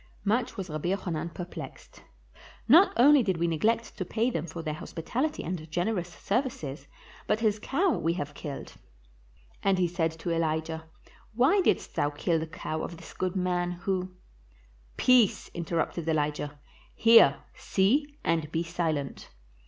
Much was Rabbi Jochanan perplexed. "Not only did 575 PALESTINE we neglect to pay them for their hospitaHty and gener ous services, but his cow we have killed "; and he said to EHjah, "Why didst thou kill the cow of this good man, who —" "Peace," interrupted Elijah; "hear, see, and be silent!